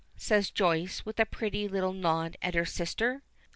says Joyce, with a pretty little nod at her sister.